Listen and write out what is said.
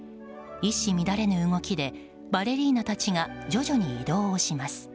一糸乱れぬ動きでバレリーナたちが徐々に移動をします。